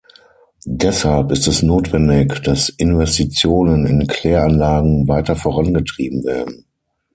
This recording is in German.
Deshalb ist es notwendig, dass Investitionen in Kläranlagen weiter vorangetrieben werden.